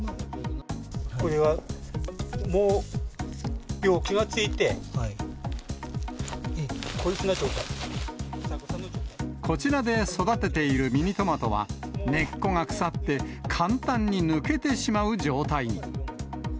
これはもう、病気がついて、こちらで育てているミニトマトは、根っこが腐って、簡単に抜けてしまう状態に。